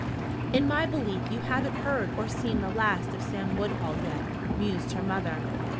"In my belief you haven't heard or seen the last of Sam Woodhull yet," mused her mother.